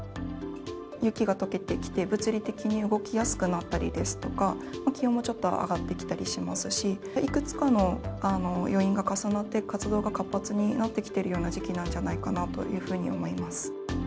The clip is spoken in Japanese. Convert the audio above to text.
雪がとけてきて、物理的に動きやすくなったりですとか、気温もちょっと上がってきたりしますし、いくつかの要因が重なって、活動が活発になってきてるような時期なんじゃないかなというふうに思います。